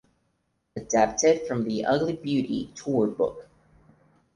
Adapted from the "Ugly Beauty" tour book.